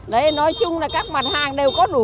đấy nói chung là các mặt hàng đều có đủ